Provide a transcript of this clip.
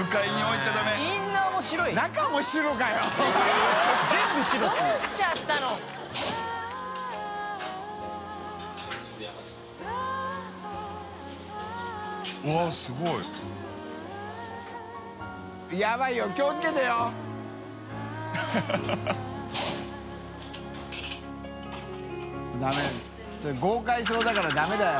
ちょっと豪快そうだからダメだよ。